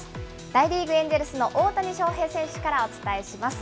大リーグ・エンジェルスの大谷翔平選手からお伝えします。